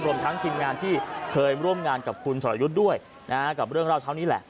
รวมทั้งทีมงานที่เคยร่วมงานกับคุณสรยุทธ์ด้วยนะฮะกับเรื่องราวเช้านี้แหละ